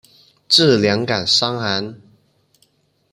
治两感伤寒。